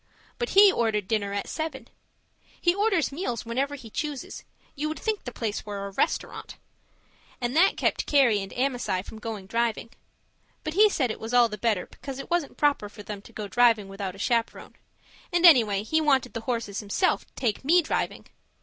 But he ordered dinner at seven he orders meals whenever he chooses; you would think the place were a restaurant and that kept Carrie and Amasai from going driving. But he said it was all the better because it wasn't proper for them to go driving without a chaperon; and anyway, he wanted the horses himself to take me driving.